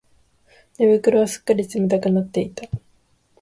寝袋はすっかり冷たくなっていた